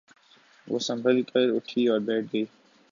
وہ سنبھل کر اٹھی اور بیٹھ گئی۔